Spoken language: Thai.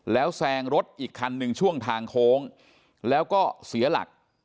แล้วแซงรถอีกคันหนึ่งช่วงทางโค้งแล้วก็เสียหลัก